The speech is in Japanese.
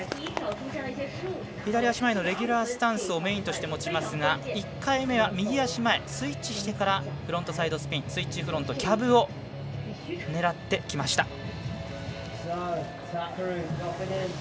左足前のレギュラースタンスをメインとして持ちますが１回目は右足前スイッチしてからフロントサイドスピンスイッチフロントキャブを狙ってきました。